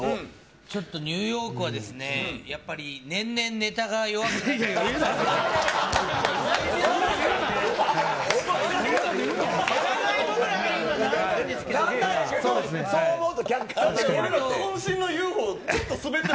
ちょっとニューヨークはですね、やっぱり年々ネタが弱くなってる。